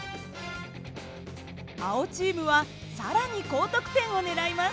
青チームは更に高得点を狙います。